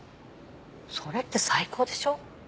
それって最高でしょ？